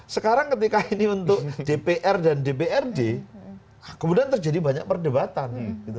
sekarang ketika ini untuk dpr dan dprd kemudian terjadi banyak perdebatan